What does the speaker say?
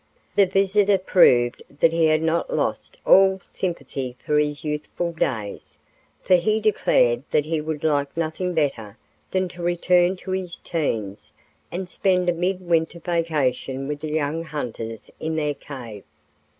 The visitor proved that he had not lost all sympathy for his youthful days, for he declared that he would like nothing better than to return to his 'teens and spend a mid winter vacation with the young hunters in their cave.